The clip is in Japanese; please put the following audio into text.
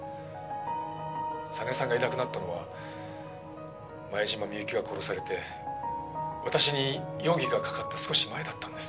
「早苗さんがいなくなったのは前島美雪が殺されて私に容疑がかかった少し前だったんです」